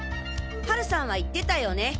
ハルさんは言ってたよね。